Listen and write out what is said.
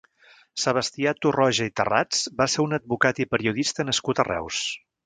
Sebastià Torroja i Tarrats va ser un advocat i periodista nascut a Reus.